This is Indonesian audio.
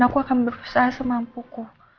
aku akan berusaha semampuku